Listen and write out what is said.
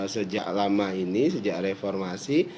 sejak lama ini sejak reformasi